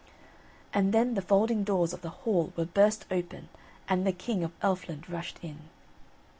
And then the folding doors of the hall were burst open, and the King of Elfland rushed in.